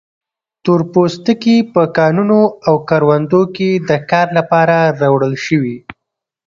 تور پوستکي په کانونو او کروندو کې د کار لپاره راوړل شوي.